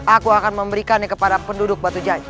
aku akan memberikannya kepada penduduk batu jaya